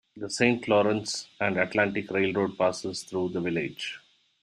The Saint Lawrence and Atlantic Railroad passes through the village.